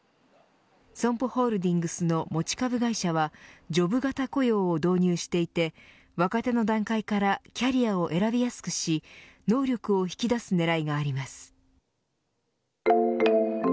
ＳＯＭＰＯホールディングスの持ち株会社はジョブ型雇用を導入していて若手の段階からキャリアを選びやすくし能力を引き出す狙いがあります。